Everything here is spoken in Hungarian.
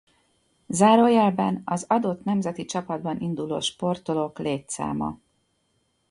Zárójelben az adott nemzeti csapatban induló sportolók létszáma.